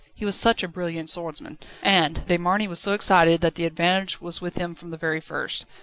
He was such a brilliant swordsman, and De Marny was so excited, that the advantage was with him from the very first.